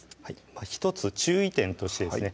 １つ注意点としてですね